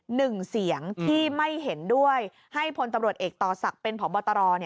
หนึ่งเสียงที่ไม่เห็นด้วยให้พลตำรวจเอกต่อศักดิ์เป็นพบตร